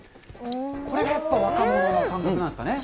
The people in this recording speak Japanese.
これがやっぱり若者の感覚なんですかね。